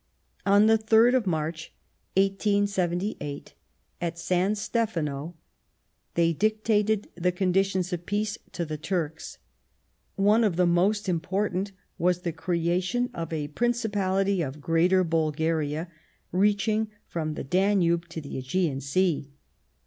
On the 3rd of March, 1878, at San Stefano, they dictated the conditions of peace to the Turks : one of the most important was the creation of a Principality of Greater Bulgaria reaching from the Danube to the iEgean Sea.